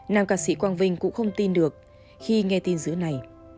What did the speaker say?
nam ca sĩ quang vinh cũng không tin được khi nghe tin giữ này